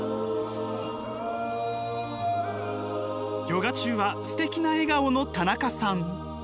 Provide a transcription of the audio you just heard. ヨガ中はすてきな笑顔の田中さん。